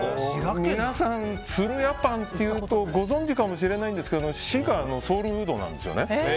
皆さん、つるやパンっていうとご存じかもしれないんですが滋賀のソウルフードなんです。